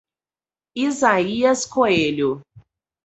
Isaías Coelho